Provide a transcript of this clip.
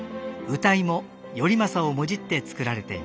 謡も頼政をもじって作られています。